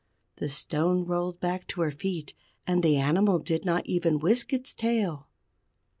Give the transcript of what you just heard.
The stone rolled back to her feet, and the animal did not even whisk its tail.